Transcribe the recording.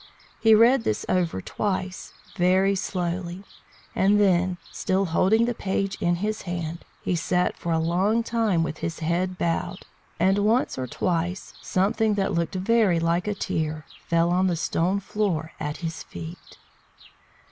He read this over twice, very slowly; and then, still holding the page in his hand, he sat for a long time with his head bowed; and once or twice something that looked very like a tear fell on the stone floor at his feet.